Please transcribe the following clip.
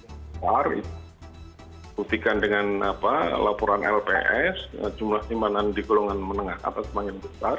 sepertikan dengan laporan lps jumlah simpanan di golongan menengah atas semakin besar